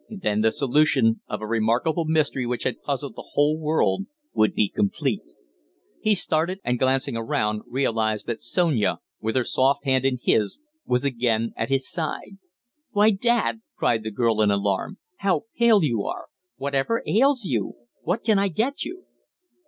Then the solution of a remarkable mystery which had puzzled the whole world would be complete. He started, and, glancing around, realized that Sonia, with her soft hand in his, was again at his side. "Why, dad," cried the girl in alarm, "how pale you are! Whatever ails you? What can I get you?"